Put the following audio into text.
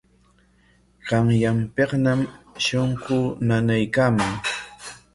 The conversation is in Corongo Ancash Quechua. Qanyanpikñam shunquu nanaykaaman.